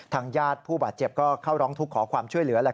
ญาติผู้บาดเจ็บก็เข้าร้องทุกข์ขอความช่วยเหลือ